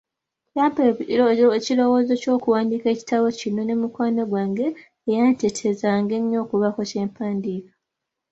Yampa ekirowoozo ky'okuwandiika ekitabo kino, ne mukwano gwange eyanteetezanga ennyo okubaako kye mpandiika.